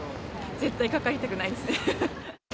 絶対かかりたくないですね。